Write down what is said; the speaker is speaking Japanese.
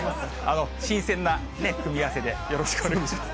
新鮮な組み合わせで、よろしくお願いします。